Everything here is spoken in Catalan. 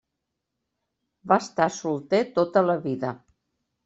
Va estar solter tota la vida.